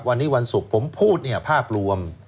วันนี้วันศุกร์ผมพูดเนี่ยภาพรวม